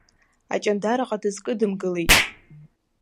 Аҷандараҟа дызкыдымгылеит.